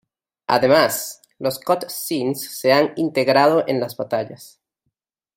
Además, los cut-scenes se han integrado en las batallas.